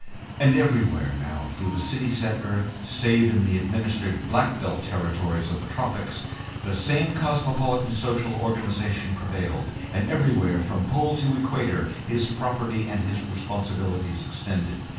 And everywhere now through the city set earth, save in the administered "black belt" territories of the tropics, the same cosmopolitan social organisation prevailed, and everywhere from Pole to Equator his property and his responsibilities extended.